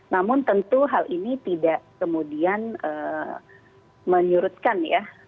namun tentu hal ini tidak kemudian menyurutkan ya